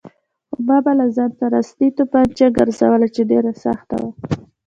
خو ما به له ځان سره اصلي تومانچه ګرځوله چې ډېره سخته وه.